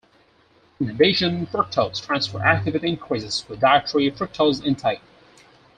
In addition, fructose transfer activity increases with dietary fructose intake.